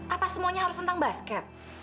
apa semuanya harus tentang basket